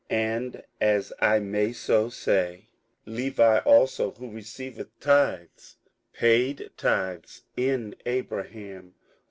58:007:009 And as I may so say, Levi also, who receiveth tithes, payed tithes in Abraham.